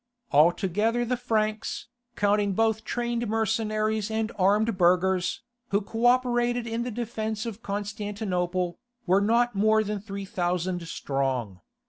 Altogether the Franks, counting both trained mercenaries and armed burghers, who co operated in the defence of Constantinople, were not more than three thousand strong.